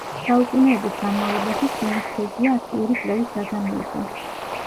საუკუნეების განმავლობაში სინესთეზია აქტიური კვლევის საგანი იყო.